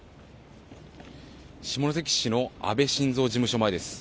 下関市の安倍晋三事務所前です。